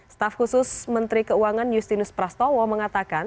staf khusus menteri keuangan justinus prastowo mengatakan